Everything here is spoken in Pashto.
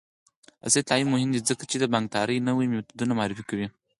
عصري تعلیم مهم دی ځکه چې د بانکدارۍ نوې میتودونه معرفي کوي.